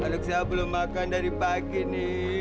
anak saya belum makan dari pagi ini